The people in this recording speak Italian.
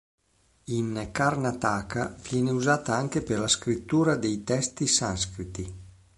In Karnataka viene usata anche per la scrittura dei testi sanscriti.